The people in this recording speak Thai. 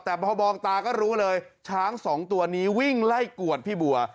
แต่พอมองตาก็รู้เลยช้างสองตัวนี้วิ่งไล่กวดพี่บัว